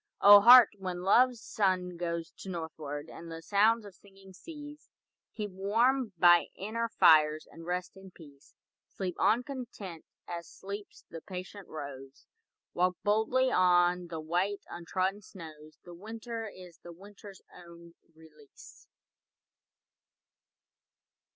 O Heart, when Love's sun goes To northward, and the sounds of singing cease, Keep warm by inner fires, and rest in peace. Sleep on content, as sleeps the patient rose. Walk boldly on the white untrodden snows, The winter is the winter's own release.